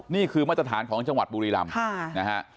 นี่คือมาตรฐานของจังหวัดบุรีรำนะฮะ